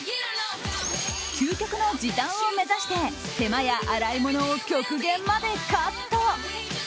究極の時短を目指して手間や洗い物を極限までカット。